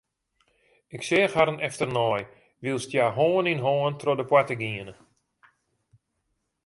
Ik seach harren efternei wylst hja hân yn hân troch de poarte giene.